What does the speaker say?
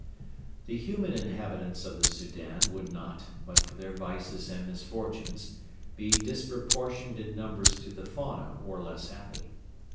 The human inhabitants of the Soudan would not, but for their vices and misfortunes, be disproportioned in numbers to the fauna or less happy.